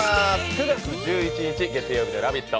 ９月１１日月曜日の「ラヴィット！」